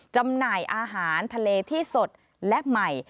จำหน่ายอาหารทะเลที่สดและใหม่